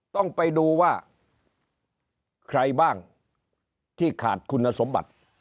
ต้องไปดูว่าใครบ้างที่ขาดคุณสมบัติ